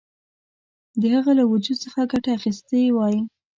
د هغه له وجود څخه ګټه اخیستې وای.